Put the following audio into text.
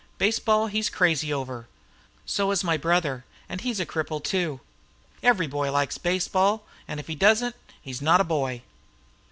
Baseball he's crazy over." "So is my brother, and he's a cripple too." "Every boy likes baseball, and if he doesn't, he's not a boy."